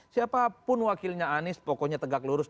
siapapun wakilnya anies pokoknya tegak lurus